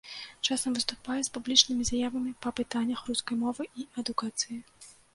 Часам выступае з публічнымі заявамі па пытаннях рускай мовы і адукацыі.